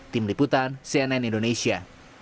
tim liputan cnn indonesia